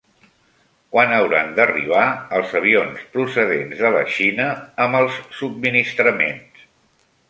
Quan hauran d'arribar els avions procedents de la Xina amb els subministraments?